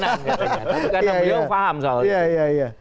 tapi karena dia paham soalnya